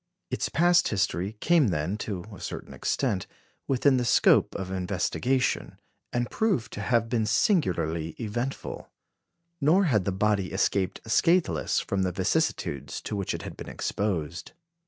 Its past history came then, to a certain extent, within the scope of investigation, and proved to have been singularly eventful; nor had the body escaped scatheless from the vicissitudes to which it had been exposed.